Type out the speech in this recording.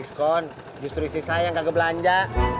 situ duluan aja